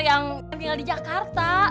yang tinggal di jakarta